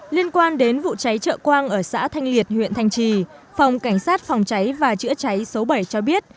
liên quan đến vụ cháy trợ quang ở xã thanh liệt huyện thanh trì phòng cảnh sát phòng cháy và chữa cháy số bảy cho biết